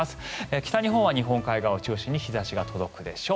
北日本は日本海側を中心に日差しが届くでしょう。